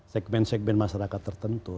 segmen segmen masyarakat tertentu